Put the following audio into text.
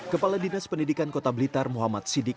kepala dinas pendidikan kota blitar muhammad sidik